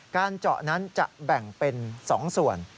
การเจาะนั้นจะแบ่งเป็น๒ส่วน